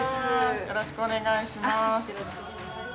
よろしくお願いします。